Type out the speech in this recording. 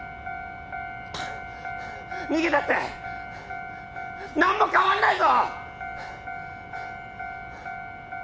逃げたって何も変わんないぞ！